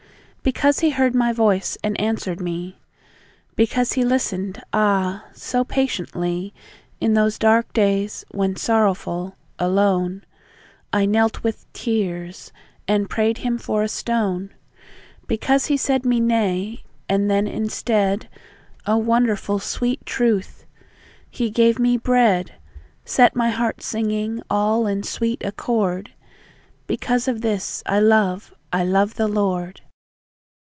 Because He heard my voice, and answered me, Because He listened, ah, so patiently, In those dark days, when sorrowful, alone, I knelt with tears, and prayed Him for a stone; Because He said me "Nay," and then in stead, Oh, wonderful sweet truth! He gave me bread, Set my heart singing all in sweet accord; Because of this, I love I love the Lord!